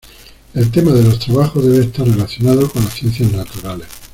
El tema de los trabajos debe estar relacionado con las ciencias naturales.